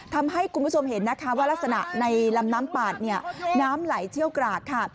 ทำให้คุณผู้ชมเห็นนะคะว่ารักษณะในลำน้ำปาดเนี่ยน้ำไหลเชี่ยวกรากค่ะ